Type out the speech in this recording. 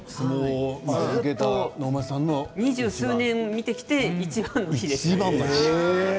二十数年見てきていちばんの日でした。